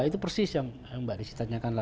itu persis yang mbak desi tanyakan